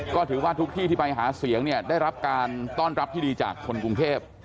ก็ถือว่าทุกที่ที่ไปหาเสียงเนี่ยได้รับการต้อนรับที่ดีจากคนกรุงเทพ